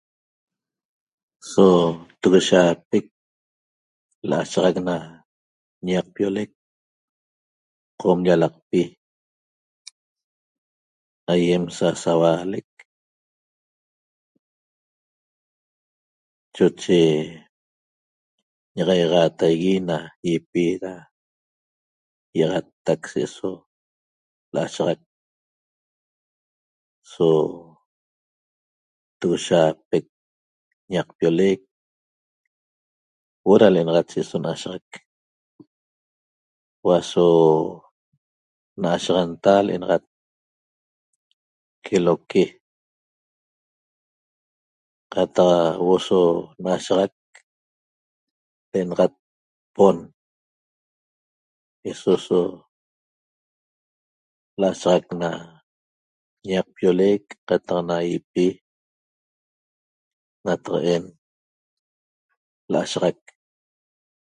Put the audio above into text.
So togoshaapec l'ashaxac na ñaqpiolec Qom lyalaqpi aýem sasauaalec choche ñi'axaixaataigui na ýipi da yaxataq se eso l'ashanta so toyapec ñaqpiolec huo'o na l'enaxat se eso nayaxac hua'a so n'ashaxanta l'enaxat queloque qataq huo'o so nashaxac l'enaxat pon eso so nashaxat na ñaqpiolec qataq na ýipi nataqaen l'ashaxac